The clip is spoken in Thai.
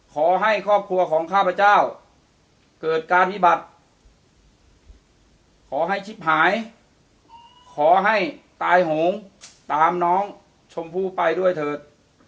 ขอให้ครอบครัวของข้าพเจ้าเกิดการวิบัติขอให้ชิบหายขอให้ตายโหงตามน้องชมพู่ไปด้วยเถอะ